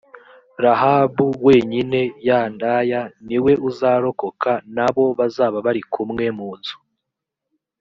rahabu wenyine, ya ndaya, ni we uzarokoka n’abo bazaba bari kumwe mu nzu,